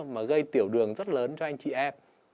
mà gây tiểu đường rất lớn cho anh chị em